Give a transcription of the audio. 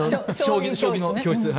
将棋の教室。